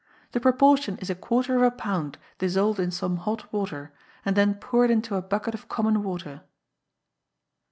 The proportion is a quarter of a pound, dissolved in some hot water, and then poured into a bucket of common water.